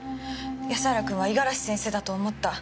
安原君は五十嵐先生だと思った。